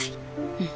うん。